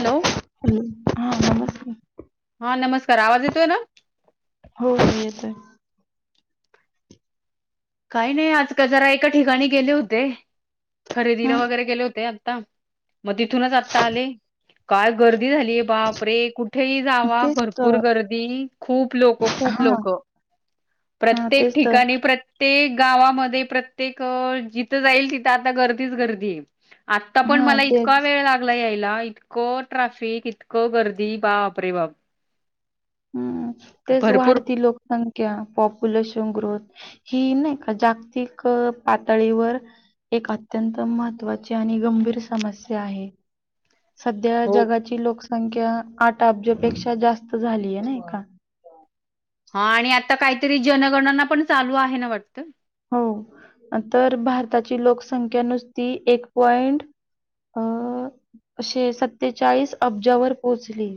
Hello हा नमस्कार हा नमस्कार आवाज येतोय ना हो येत काही नाही आज का जरा एका ठिकाणी गेले होते खरेदीला हम्म वगैरे गेले होते मग तिथूनच आता आले काय गर्दी झालीय बाप रे कुठ कुठेही जावा तेच भरपूर तर गर्दी खूप लोक खूप हा लोक हा प्रत्येक तेच तर ठिकाणी प्र्य प्रत्येक गावामध्ये प्रत्येक जिथं जाईल तिथं आता गर्दीच गर्दी आहे आता पण हा मला इतका तेच वेळ लागला आहे इतको ट्राफिक इतको गर्दी बा वापरे बाब हम्म तेच वाढती लोकसंख्या पॉप्युलेशन ग्रोथ हि नाही का जागतिक पातळीवर एक अत्यंत महत्त्वाची आणि गंभीर समस्या आहे सध्या हो जगाची लोकसंख्या आठ अब्जपेक्षा जास्त झालीय ना एका हा आणि आता काहीतरी जनगणना पण चालू आहे ना वाटत हो तर भारताची लोकसंख्या नुसती एक पॉइंट [unintelligible] असे सत्तेचाळीस अब्जावर पोहोचली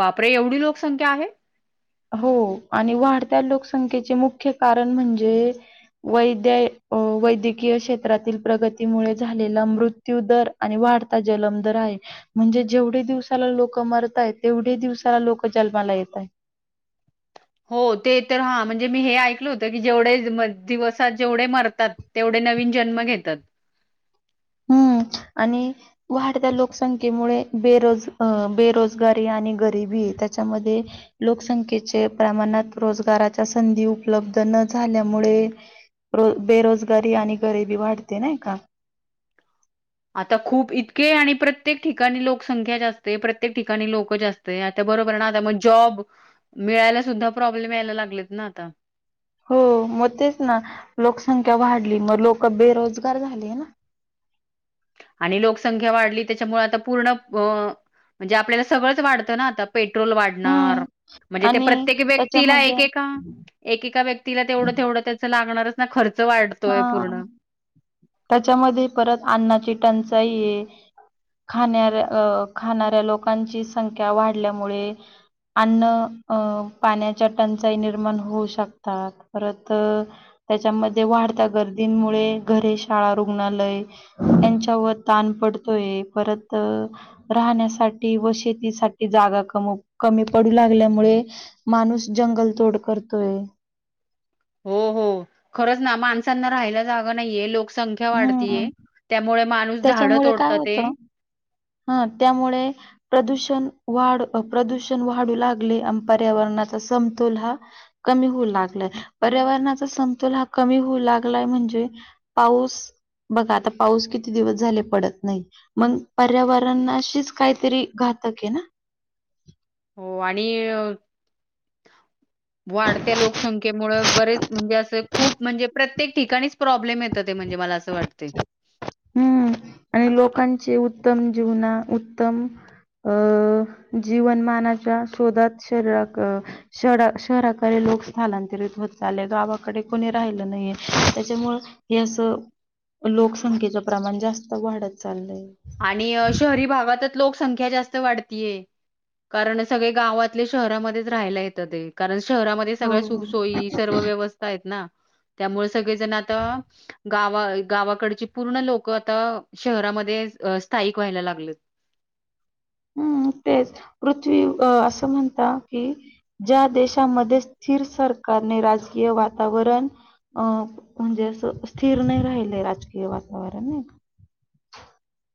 बापरे एवढी लोकसंख्या आहे हो आणि वाढत्या लोकसंख्येचे मुख्य कारण म्हणजे वैद्य अ वैद्यकीय क्षेत्रातील प्रगतीमुळे झालेला मृत्यू दर आणि वाढता जन्म दर आहे म्हणजे जेवढे दिवसाला लोक मरताय तेवढे दिवसाला लोक जन्माला येतय हो ते तर हा म्हणजे मी हे ऐकल होत की जेवढे दिवसात जेवढे मरतात तेवढे नवीन जन्म घेतात हम्म आणि वाढत्या लोकसंख्येमुळे बेरोजगारी आणि गरीबी त्यामध्ये लोकसंख्ये प्रमाणात रोजगाराच्या संधी उपलब्ध झाल्यामुळे बेरोजगारी आणि गरबी वाढते नाही का आता खूप इतके आणि प्रत्येक ठिकाणी लोकसंख्या जास्तते प्रत्येक ठिकाणी लोक जास्त आता बरोबर ना आता, मग जॉब मिळायला सुद्धा समस्या यायला लागलेत ना आता हो मग तेच ना लोकसंख्या वाढली मग लोक बेरोजगार झाले ना आणि लोकसंख्या वाढली त्याच्यामुळे आता पूर्ण म्हणजे आपल्याला सगळंच वाढतं ना आता पेट्रोल वाढणार हम्म म्हणजे ते आणि प्रत्येक व्यक्तीला त्याच्यामध्ये एकेका एकेका व्यक्तीला तेवढं तेवढं त्याच लागणारच ना, खर्च वाढतोय हा पूर्ण. त्याच्यामध्ये परत अन्नाची टंचाई आहे खाण्याऱ्या अ खाणाऱ्या लोकांची संख्या वाढल्यामुळे अन्न अं पाण्याच्या टंचाई निर्माण होऊ शकतात परत त्याच्यामध्ये वाढत्या गर्दींमुळे घरे शाळा रुग्णालय यांच्यावर ताण पडतोय परत राहण्यासाठी व शेतीसाठी जागा कमी पडू लागल्या माणूस जंगल तोड करतोय. हो- हो खरच ना माणसांना राहायला जागा नाहीये लोक. संख्या हम्म, वाढतीय त्यामुळे माणूस झाड तोडत ते ह त्यामुळे प्रदूषण वाढ प्रदूषण वाढू लागले पर्यावरण समतोल हा कमी होऊ लागलाय पर्यावरणाचा समतोल हा कमी होऊ लागलाय. म्हणे पाऊस बघा आता पाऊस किती दिवस झाले पडत नाही मग पर्यावरणाशीच काहीतरी घातक आहे ना. हो आणि वाढत्या लोकसंख्येमुळे बरेच म्हणजे अस खूप म्हणजे प्रत्येक ठिकाणीच समस्या येत आहे. ते म्हणजे मला असं वाटं हम्म आणि लोकांची उत्तम जीवना उत्तम अ जीवनमानाच्या शोधात शहरा लोक स्थलांतरित होत चालले, गावाकडे कोणी राहिलं नाहीे त्याच्यामुळे हे असं. लोकसंख्येचं प्रमाण जास्त वाढत चाललंय. आणि शहरी भागातच लोकसंख्या जास्त वाढत आहे. कारण सगळे गावातले शहरामध्येच राहायला येत आहेत कारण शहरामध्ये हो. सगळ्या सुखसोयी सर्व व्यवस्था आहेत ना. त्यामुळे सगळेजण आता गावा गावाकडचे पूर्ण लोक आता शहरामध्ये स्थायिक व्हायला लागले आहेत. हम्म पृथ्वी अस म्हणतात की ज्या देशामध्ये स्थिर सरकार राजकीय वातावरण अ म्हणजे अस स्थिर नाही राहिलं राजकीय वातावरण वर नाही. [inaudible]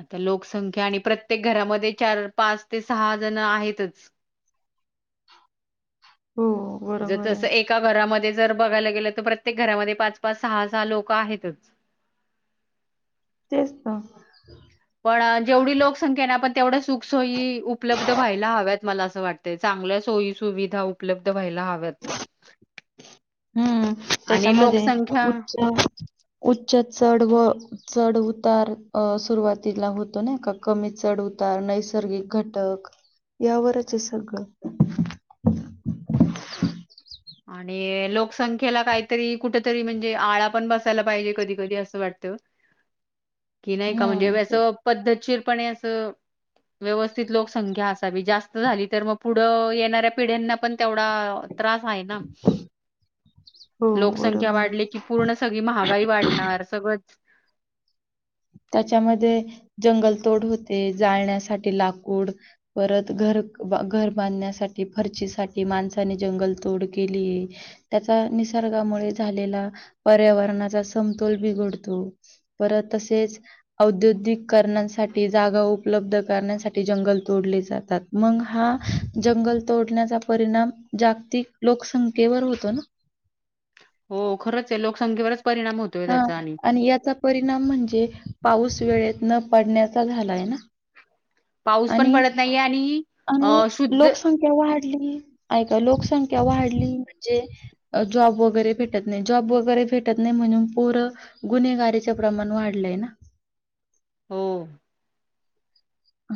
आता लोकसंख्या आणि प्रत्येक घरामध्ये चार पाच ते सहा जण आहेतच. हो ज बरोबर आहे. तस एका घरामध्ये जर बघायला गेलं तर प्रत्येक घरामध्ये पाच पाच सहा सहा लोक आहेतच. तेस्त तेच तर मग माप पण जेवढी लोकसंख्या ना आपण तेवढ्या सुखसोयी उपलब्ध व्हायला हव्यात मला असं वाटतंय चांग चांगल्या सोयी सुविधा उपलब्ध व्हायला हव्यात. हम्म आणि त्याच्यामध्ये लोकसंख्या उच्च च व चढ उतार सुरुवातीला होतो ना का कमी चढ उतार. नैसर्गिक घटक यावरच सगळं. [inaudible] आणि लोकसंख्येला काहीतरी कुठ तरी म्हणजे आळा पण बसायला पाहिजे कधी कधी असं वाटतं. कि नाही का म्हणजे हम्म ते- वसं पद्धतशीरपणे असं व्यवस्थित लोकसंख्या असावी जास्त झाली तर मग पुढं येणाऱ्या पिढ्यांना पण तेवढा त्रास आहे ना. हो लोकसंख्या बरोबर वाढली की पूर्ण सगळी महागाई वाढणार सगळं. त्याच्यामध्ये जंगलतोड होते. जाळण्यासाठी लाकूड परत घर घर बांधण्यासाठी फर्चीसाठीठी माणसा ज तोड के त्या निसर्गामुळे झाले पर्यावरणा समतोल बिघडतो परत तसेच औद्योगिक करण्यासाठी जागा उपलब्ध करण्यासाठी जंगल तोडले जातात मग हा जंगल तोडण्याचा परिणाम जागतिक लोकसंख्येवर होतो ना. हो खरच आहे लोकसंख्येवरच परिणाम होतोय हा त्याचा आणि याचा परिणाम म्हणजे पाऊस. वेळेत न पडण्याचा झालाय ना. पाऊस पण आणि पडत नाहीये आणि आणि अ शुद्ध लोकसंख्या वाढ. लोकसंख्या वाढली म्हणजे जॉब वगरे भेटत नाही जॉगे भेटत नाही म्हण पर गुन्हेगारीच्या प्रमाण वाढलंय ना. होमम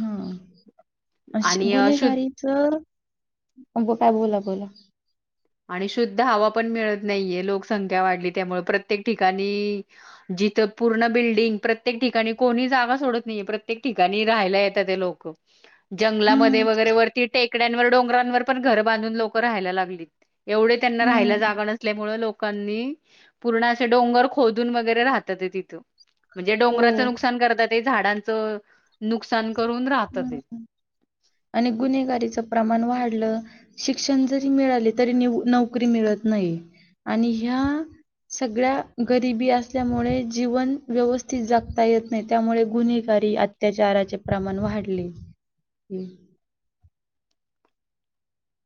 हा अ आणि शुद्ध गुन्हेगारीच अ काय बोला बोला आणि शुद्ध हवा पण मिळत नाहीये लोकसंख्या वाढली त्यामुळे प्रत्येक ठिकाणी इथे प्रत्येक ठिकाणी बिल्डिंग जागा सोडत नाही प्रत्येक ठिकाणी लोक राहिला येत आहेत जंगलामध्ये हं, वगैरे वरती टेकड्यांवर डोंगरांवर पण घरं बांधून लोकं राहायला लागली एवढे त्यांना राहायला हं, जागा नसल्यामुळे लोकांनी पूर्ण असे डोंगर खोदून वगैरे राहतात तिथं म्हणजे हो. डोंगराचं नुकसान करतात झाडांच आणि गुन्हेगारीचं प्रमाण वाढलं शिक्षण जरी मिळाले तरी नोकरी मिळत नाही आणि ह्या सगळ्या गरिबी असल्यामुळे जीवन व्यवस्थित जागता येत नाही त्यामुळे गुन्हेग अत्याचाराचे प्रमाण वाढले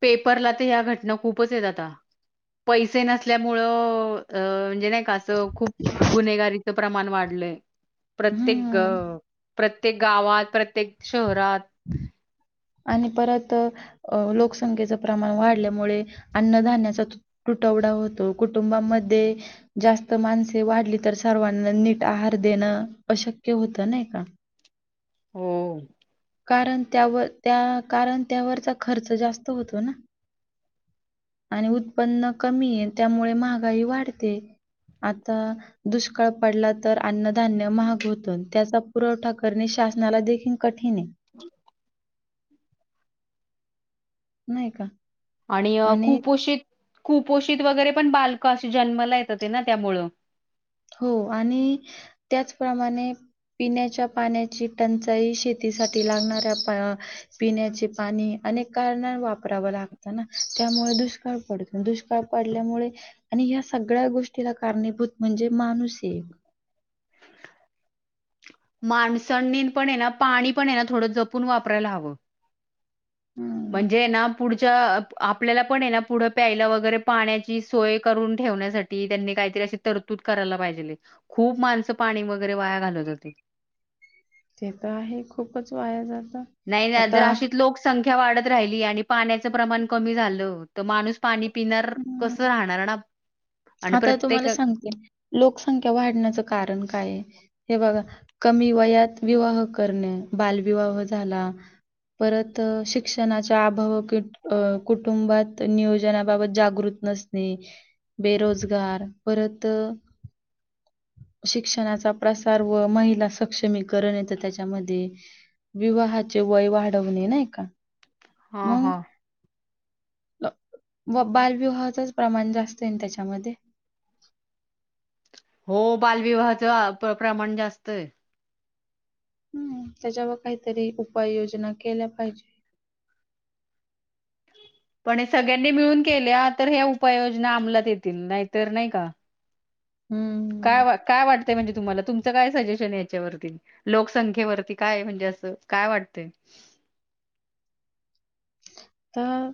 पेपरला तर ह्या घटना खूपच आहेतेत आता पैसे नसल्यामुं म्हणजे नाही खूप गुन्गारीच प्रमाण वाढय प्रत्येक हम्म प्रत्येक गावात प्रत्येक शहरात आणि परत अ लोकसंख्येचं प्रमाण वाढल्यामुळे अन्नधान्याचा तुटवडा होतो कुटुंबामध्ये जास्त माणसे वाढली तर सर्वांना नीट आहार देणं अक शक होत नाही का हम कारण त्यावर त्या कारण त्यावरचा खर्च जास्त होतो ना आणि उत्पन्न कमी आहे त्यामुळे महागाई वाढते आता दुष्काळ पडला तर अन्नधान्य महाग होत त्याचा पुरवठा करणे श ासनाला देखील कठीण आहे हम् नाही का आणि कुपोषित कुपोषित वगैरे पण बालक अशी जन्मला येत होते ना त्यामुळ हो आणि त्याचप्रमाणे पिण्याच्या पाण्याची टंचाई शेतीसाठी लागणाऱ्या पिण्याचे पाणी अनेक कारण वापरावं लागतं ना त्यामुळे दुष्काळ पडतो दुष्काळ पडल्यामुळे आणि ह्या सगळ्या गोष्टीला कारणीभूत म्हणजे माणूस एक माणसणने पण ना पाणी पण ना थोडं जपून वापरायला हवं हम्म म्हणजे ना पुढच्या आपल्याला पण ना पुढं प्यायला वगैरे पाण्याची सोय करून ठेवण्यासाठी त्यांनी काहीतरी अशी तरतूद करायला पाहिजे खूप माणसं पाणी वगैरे वाया घालत होते ते तर आहे खूपच वाया जात नाही नाही दर अशीित लोकसंख वाढत राहिली आणि पाण्याचं प्रमाण कमी झालं तर माणू पाणी स्पिनर कसं हम्म राहणार ना आणि आता प्रत्येक तुम्हाला सांगते लोकसंख्या वाढण्याचं कारण काय आहे हे बघा कमी वयात विवाह करणे बालविवाह झाला परत शिक्षणाच्या अभव कुटुंबात नियोजनाबाबत जागृत नसणे बेरोजगार परत शिक्षणाचा प्रसार व महिला सक्षमीकरण येत त्याच्यामध्ये विवाहाचे वय वाढवणे नाही का हा हा बालविवाहाचच प्रमाण जास्त त्याच्यामध्ये हो बालविवाहाच प्रमाण जास्त आहे हम्म त्याच्यावर काहीतरी उपाययोजना केल्या पाहिजे ह पण सगळ्यांनी मिळून केल्या तर ह उपाययोजना अमलात येतील नाहीतर नाही का काय हं, वा काय वाटत म्हणजे तुम्हाला तुमचं काय सजेशन याच्यावरती लोकसंख्येवरती काय म्हणजे असं काय वाटतं [unintelligible] तर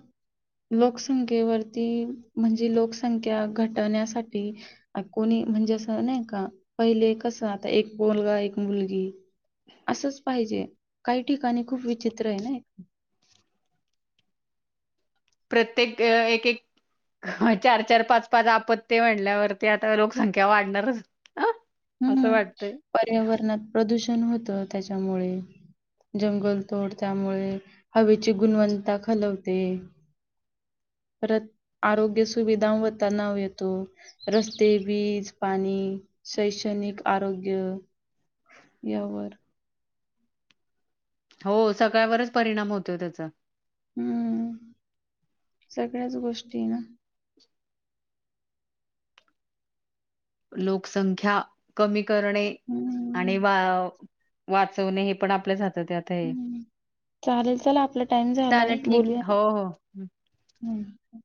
लोकसंख्येवरती म्हणजे लोकसंख्या घटवण्यासाठी कोणी म्हणजे असं नाही का पहिले कस आता एक बोलगा एक मुलगी असंच पाहिजे काही ठिकाणी खूप विचित्र आहे ना एक प्रत्येक एक एक चार चार पाच पाच आपत्ती म्हणल्यावरती आता लोकसंख्या वाढणारच असं हं. वाटतंय पर्यावरणात प्रदूषण होतं त्याच्यामुळे जंगल तोड त्यामुळे हवेची गुणवत्ता खालवते परत आरोग्य सुविधा होता नाव येतो रस्ते वीज पाणी शैक्षणिक आरोग्य यावर हो सकाळवरच परिणाम होतो त्याचा हम्म सगळ्याच गोष्टी ना [unintelligible] लोकसंख्या कमी करणे हम्म. आणि वा वाचवणे हे पण आपल्याात हम् चालेल चला आपला टाइम झालाय चालेल ठीक बोलूया आहे. हो हो हम्म